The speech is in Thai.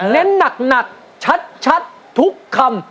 เน้นหนักชัดทุกคำ